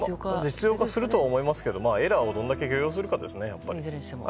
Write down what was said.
実用化するとは思いますがエラーをどれだけ許容するかですね。